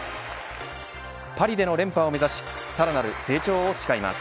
パリでの連覇を目指しさらなる成長を誓います。